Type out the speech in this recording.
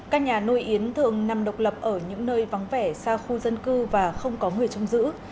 các nhà nuôi yến thường nằm độc lập ở những nơi vắng vẻ xa khu dân cư và không có người trông giữ